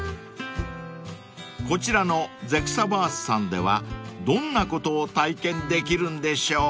［こちらのＺＥＸＡＶＥＲＳＥさんではどんなことを体験できるんでしょう？］